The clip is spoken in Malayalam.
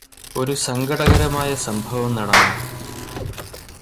ഒരു സങ്കടകരമായ സംഭവം നടന്നു